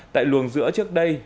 tại luồng giữa trước đây